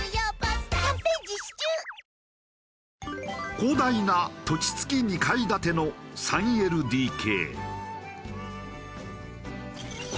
広大な土地付き２階建ての３ＬＤＫ。